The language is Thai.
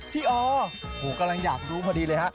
พี่ออกำลังอยากรู้พอดีเลยท่ะ